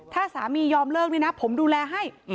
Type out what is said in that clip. ถ้าสามียอมเลิกนี่นะผมดูแลให้